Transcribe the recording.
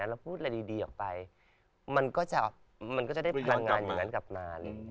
เราพูดอะไรดีออกไปมันก็จะมันก็จะได้พลังงานอย่างนั้นกับงาน